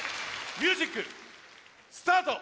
ミュージックスタート！